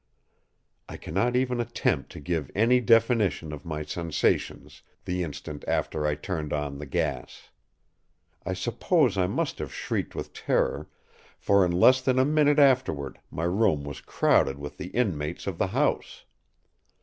I cannot even attempt to give any definition of my sensations the instant after I turned on the gas. I suppose I must have shrieked with terror, for in less than a minute afterward my room was crowded with the inmates of the house.